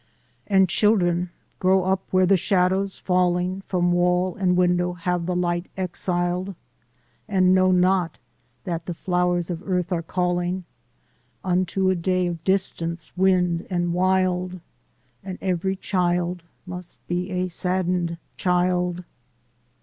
And children grow up where the shadows falling From wall and window have the light exiled, And know not that the flowers of earth are calling Unto a day of distance, wind and wild And every child must be a saddened child.